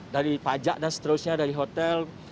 dari pajak dan seterusnya dari hotel